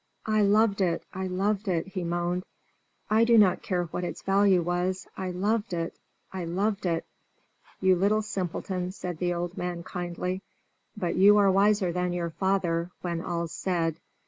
"I loved it! I loved it!" he moaned. "I do not care what its value was. I loved it! I loved it!" "You little simpleton!" said the old man, kindly. "But you are wiser than your father, when all's said.